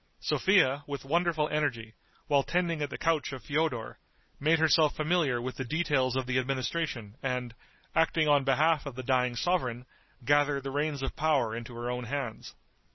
Sophia, with wonderful energy, while tending at the couch of Feodor, made herself familiar with the details of the administration, and, acting on behalf of the dying sovereign, gathered the reins of power into her own hands.